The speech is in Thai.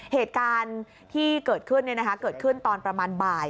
เหตุการณ์ที่เกิดขึ้นตอนประมาณบ่าย